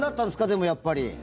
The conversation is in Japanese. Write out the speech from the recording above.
でも、やっぱり。